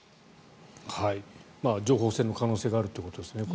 情報戦の可能性があるということですよね。